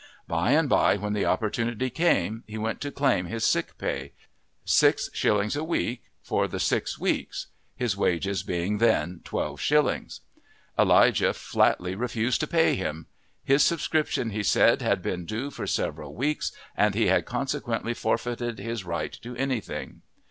By and by when the opportunity came, he went to claim his sick pay six shillings a week for the six weeks, his wages being then twelve shillings. Elijah flatly refused to pay him; his subscription, he said, had been due for several weeks and he had consequently forfeited his right to anything.